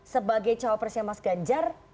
sebagai bacawa presnya mas ganjar